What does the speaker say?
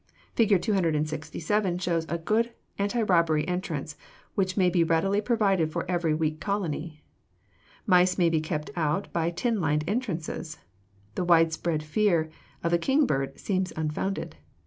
Fig. 267 shows a good anti robbery entrance which may be readily provided for every weak colony. Mice may be kept out by tin lined entrances. The widespread fear of the kingbird seems unfounded.